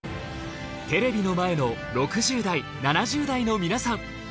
テレビの前の６０代７０代の皆さん